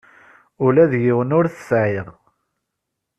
Ula d yiwen ur t-sɛiɣ.